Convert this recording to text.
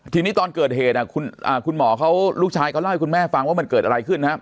ทีนี้ตอนเกิดเหตุคุณหมอเขาลูกชายเขาเล่าให้คุณแม่ฟังว่ามันเกิดอะไรขึ้นนะครับ